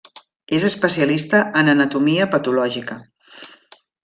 És especialista en Anatomia patològica.